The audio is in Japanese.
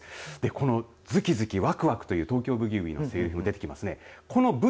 このずきずき、わくわくという東京ブギウギのセリフ、出てきます。